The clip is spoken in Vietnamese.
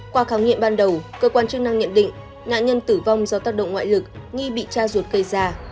qua khám nghiệm ban đầu cơ quan chức năng nhận định nạn nhân tử vong do tác động ngoại lực nghi bị cha ruột gây ra